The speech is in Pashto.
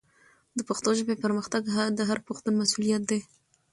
د پښتو ژبې پرمختګ د هر پښتون مسؤلیت دی.